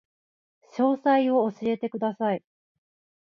詳細を教えてください